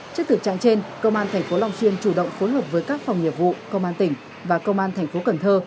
trước thực trạng trên công an tp long xuyên chủ động phối hợp với các phòng nhiệm vụ công an tỉnh và công an tp cần thơ